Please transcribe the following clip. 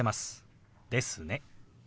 「ですね」。